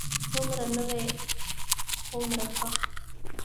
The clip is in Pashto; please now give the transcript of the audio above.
څومره نوی، هومره ښه.